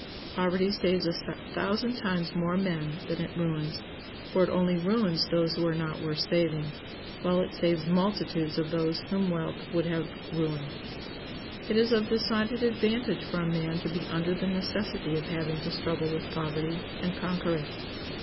Poverty saves a thousand times more men than it ruins; for it only ruins those who are not worth saving, while it saves multitudes of those whom wealth would have ruined. It is of decided advantage for a man to be under the necessity of having to struggle with poverty, and conquer it.